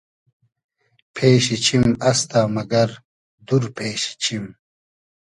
پېشی چیم استۂ مئگئر دور پېشی چیم